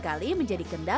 ada suatu pembawa namanya ini